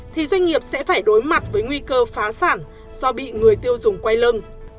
thì doanh nghiệp sẽ phải đối mặt với nguy cơ phá sản do bị người tiêu dùng quay lưng